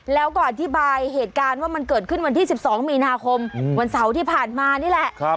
แล้วก็อธิบายเหตุการณ์ว่ามันเกิดขึ้นวันที่๑๒มีนาคมวันเสาร์ที่ผ่านมานี่แหละ